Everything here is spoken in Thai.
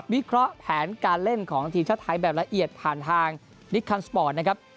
เคราะห์แผนการเล่นของทีมชาติไทยแบบละเอียดผ่านทางลิคคันสปอร์ตนะครับ